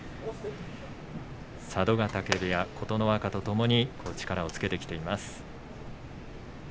佐渡ヶ嶽部屋、琴ノ若とともに力をつけてきています。